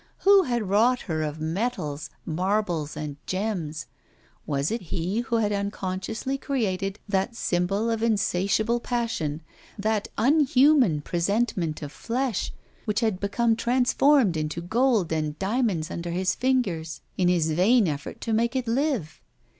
Who had wrought her of metals, marbles, and gems? Was it he who had unconsciously created that symbol of insatiable passion, that unhuman presentment of flesh, which had become transformed into gold and diamonds under his fingers, in his vain effort to make it live?